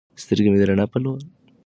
سترګې مې د رڼا په لیدلو روښانه شوې.